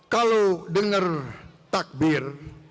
kalau denger takbir